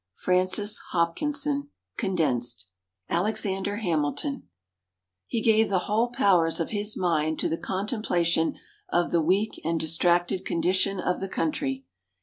_ FRANCIS HOPKINSON (Condensed) ALEXANDER HAMILTON _He gave the whole powers of his mind to the contemplation of the weak and distracted condition of the Country....